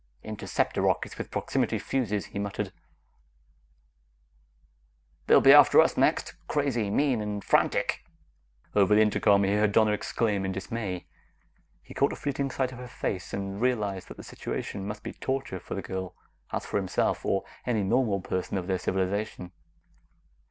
"Interceptor rockets with proximity fuses," he muttered. "They'll be after us next, crazy mean and frantic!" Over the intercom, he heard Donna exclaim in dismay. He caught a fleeting sight of her face and realized that the situation must be torture for the girl, as for himself or any normal person of their civilization.